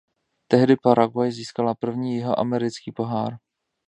Tehdy Paraguay získala první Jihoamerický pohár.